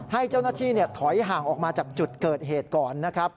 ให้เจ้าหน้าที่ถอยห่างออกมาจากจุดเกิดเหตุก่อนนะครับ